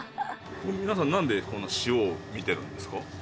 皆さん何でこんな塩を見てるんですか？